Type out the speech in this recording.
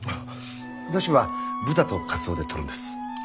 出汁は豚とカツオでとるんです。